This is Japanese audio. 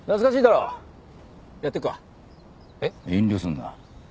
遠慮すんな。